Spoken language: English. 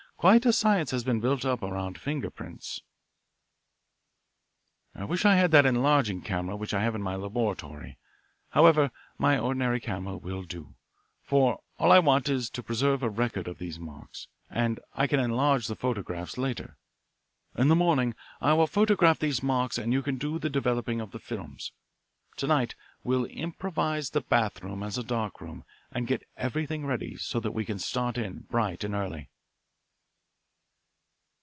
Quite a science has been built up around finger prints. "I wish I had that enlarging camera which I have in my laboratory. However, my ordinary camera will do, for all I want is to preserve a record of these marks, and I can enlarge the photographs later. In the morning I will photograph these marks and you can do the developing of the films. To night we'll improvise the bathroom as a dark room and get everything ready so that we can start in bright and early."